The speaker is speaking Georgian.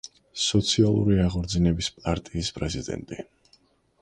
სოციალური აღორძინების პარტიის პრეზიდენტი.